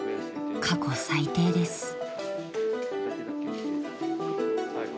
［過去最低です］